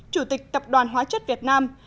chủ tịch tập đoàn hóa chất việt nam